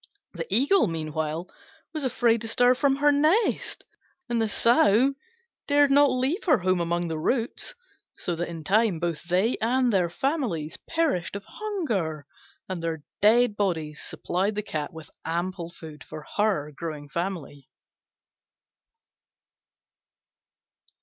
The Eagle, meanwhile was afraid to stir from her nest, and the Sow dared not leave her home among the roots: so that in time both they and their families perished of hunger, and their dead bodies supplied the Cat with ample food for her growing family.